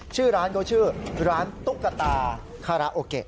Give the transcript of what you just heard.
ชื่อร้านเขาชื่อร้านตุ๊กตาคาราโอเกะ